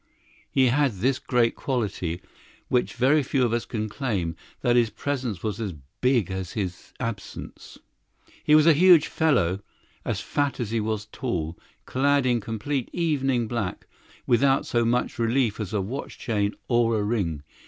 He had this great quality, which very few of us can claim, that his presence was as big as his absence. He was a huge fellow, as fat as he was tall, clad in complete evening black, without so much relief as a watch chain or a ring.